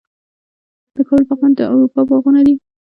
د کابل پغمان د اروپا باغونه دي